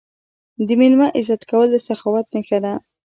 د میلمه عزت کول د سخاوت نښه ده.